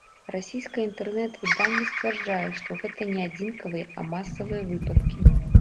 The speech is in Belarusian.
Расійскае інтэрнэт-выданне сцвярджае, што гэта не адзінкавыя, а масавыя выпадкі.